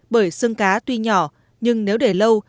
bởi xương cá tuy nhỏ nhưng nếu để lâu